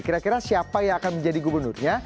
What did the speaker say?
kira kira siapa yang akan menjadi gubernurnya